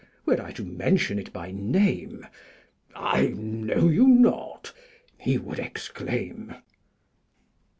Were I to mention it by name, 'I know you not,' he would exclaim."